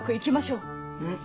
うん。